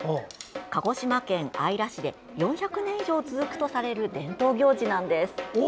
鹿児島県姶良市で４００年以上続くとされる伝統行事なんです。